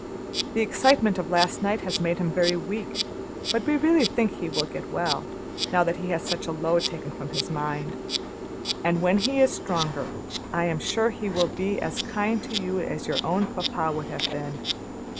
The excitement of last night has made him very weak, but we really think he will get well, now that such a load is taken from his mind. And when he is stronger, I am sure he will be as kind to you as your own papa would have been.